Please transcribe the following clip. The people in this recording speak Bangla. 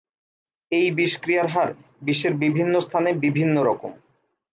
এই বিষক্রিয়ার হার বিশ্বের বিভিন্ন স্থানে বিভিন্ন রকম।